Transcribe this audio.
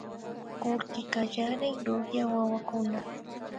Kullki kallarik rurya wawakuna